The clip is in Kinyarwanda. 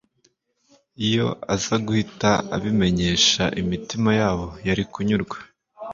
Iyo aza guhita abimenyesha, imitima yabo yari kunyurwa,